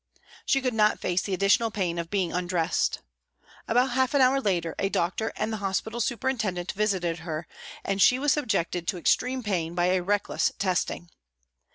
She could not face the additional pain of being undressed. About half an hour later a doctor and the hospital superintendent visited her, and she was subjected to extreme pain by a reckless testing.